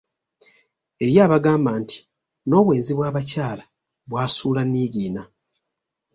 Eriyo abagamba nti n’obwenzi bw’abakyala bwasuula Niigiina.